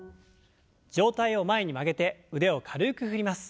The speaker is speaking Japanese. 上体を前に曲げて腕を軽く振ります。